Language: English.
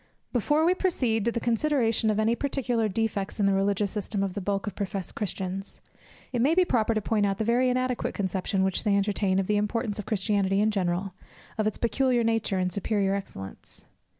_ Before we proceed to the consideration of any particular defects in the religious system of the bulk of professed Christians, it may be proper to point out the very inadequate conception which they entertain of the importance of Christianity in general, of its peculiar nature, and superior excellence.